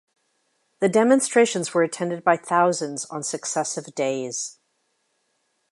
The demonstrations were attended by thousands on successive days.